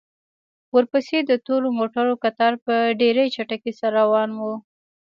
ورپسې د تورو موټرو کتار په ډېرې چټکۍ سره روان و.